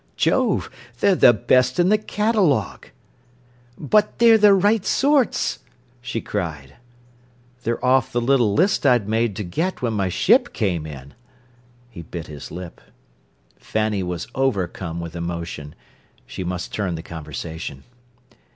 "Jove! they're the best in the catalogue." "But they're the right sorts?" she cried. "They're off the little list I'd made to get when my ship came in." He bit his lip. Fanny was overcome with emotion. She must turn the conversation.